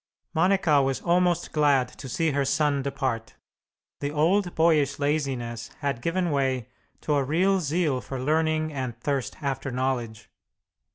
Monica was almost glad to see her son depart. The old boyish laziness had given way to a real zeal for learning and thirst after knowledge.